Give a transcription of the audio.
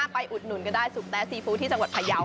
ไปอุดหนุนก็ได้สุปแท้ซีฟู้ที่จังหวัดพายาว